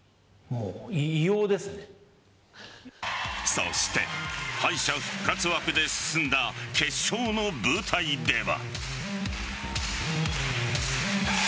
そして敗者復活枠で進んだ決勝の舞台では。